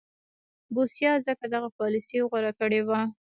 بوسیا ځکه دغه پالیسي غوره کړې وه.